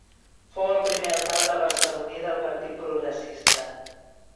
Fou el primer alcalde barceloní del Partit Progressista.